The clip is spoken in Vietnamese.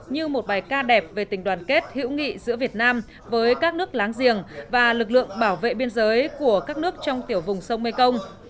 như một bài ca đẹp về tình đoàn kết hữu nghị giữa việt nam với các nước láng giềng và lực lượng bảo vệ biên giới của các nước trong tiểu vùng sông mekong